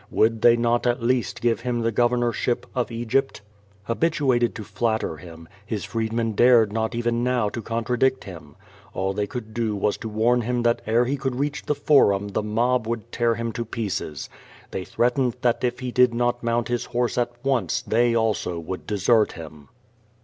Would* they not at least give him the governorship of Egypt? Habituated to flatter him, his freedmen dared not even now to contradict him. All they could do was to warn him that ere he could reach the Forum the mob would tear him to pieces. They threatened that if he did not mount his horee at once they also would desert him.